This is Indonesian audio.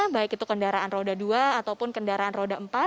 baik itu kendaraan roda dua ataupun kendaraan roda empat